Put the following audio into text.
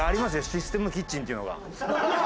システムキッチンっていうのが。